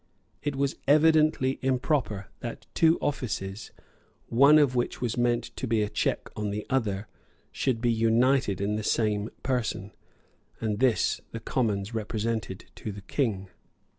It was evidently improper that two offices, one of which was meant to be a check on the other, should be united in the same person; and this the Commons represented to the King.